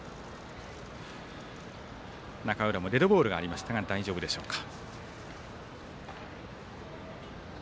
中浦もデッドボールがありましたが大丈夫でしょうか。